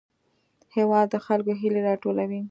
هېواد د خلکو هیلې راټولوي.